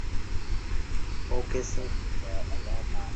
ওকে, sir.